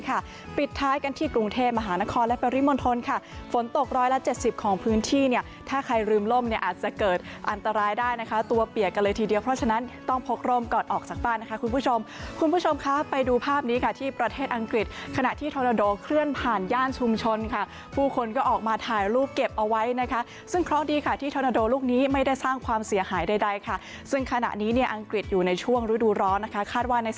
อาจจะเกิดอันตรายได้นะคะตัวเปียกกันเลยทีเดียวเพราะฉะนั้นต้องพกรมก่อนออกจากบ้านนะคะคุณผู้ชมคุณผู้ชมค่ะไปดูภาพนี้ค่ะที่ประเทศอังกฤษขณะที่ธนโดเคลื่อนผ่านย่านชุมชนค่ะผู้คนก็ออกมาถ่ายรูปเก็บเอาไว้นะคะซึ่งครองดีค่ะที่ธนโดลูกนี้ไม่ได้สร้างความเสียหายใดค่ะซึ่งขณะนี้เนี่ยอังก